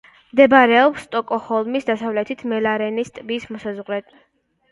მდებარეობს სტოკჰოლმის დასავლეთით, მელარენის ტბის მოსაზღვრედ.